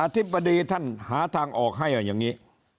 ธิบดีท่านหาทางออกให้อย่างนี้